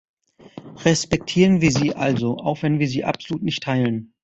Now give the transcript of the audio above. Respektieren wir sie also, auch wenn wir sie absolut nicht teilen.